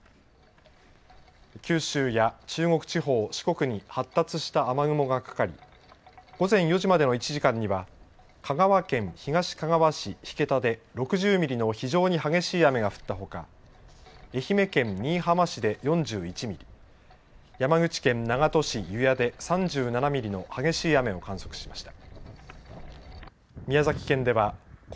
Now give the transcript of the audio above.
九州や中国地方、四国に発達した雨雲がかかり午前４時までの１時間には香川県東かがわ市引田で６０ミリの非常に激しい雨が降ったほか、愛媛県新居浜市で４１ミリ、山口県長門市油谷で３７ミリの激しい雨を観測しました。